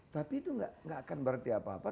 tapi itu gak akan berarti apa apa